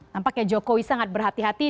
tampaknya jokowi sangat berhati hati